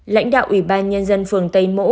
lãnh đạo ủy ban nhân dân phường tây mỗ